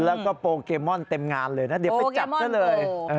แล้วก็โปเกมอนเต็มงานเลยนะเดี๋ยวไปจับซะเลย